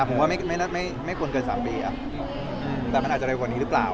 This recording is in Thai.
ผมว่าไม่ควรเกิน๓ปีแต่มันอาจจะเร็วกว่านี้หรือเปล่า